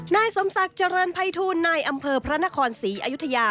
นายสมศักรณภัยทูลในอำเภอพระนครศรีอยุธยา